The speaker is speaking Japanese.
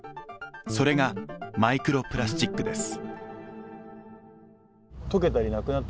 それがマイクロプラスチックです。